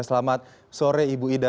selamat sore ibu ida